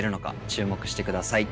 注目して下さい。